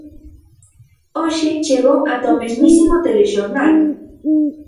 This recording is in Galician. Hoxe chegou ata o mesmísimo telexornal.